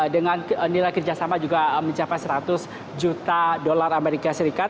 dengan nilai kerjasama juga mencapai seratus juta usd